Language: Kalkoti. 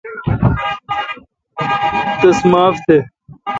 تس معاف تھ۔